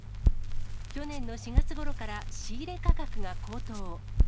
去年の４月ごろから仕入れ価格が高騰。